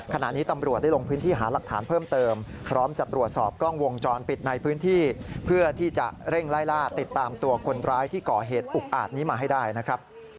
ขณะนี้ตำรวจได้ลงพื้นที่หาหลักฐานเพิ่มเติมพร้อมจะตรวจสอบกล้องวงจรปิดในพื้นที่เพื่อที่จะเร่งไล่ล่าติดตามตัวคนร้ายที่ก่อเหตุอุกอาจนี้มาให้ได้นะครับ